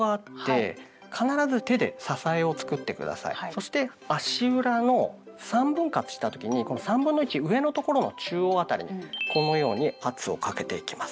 そして足裏の３分割した時にこの３分の１上のところの中央辺りにこのように圧をかけていきます。